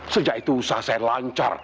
sejak itu usaha saya lancar